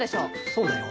そうだよ。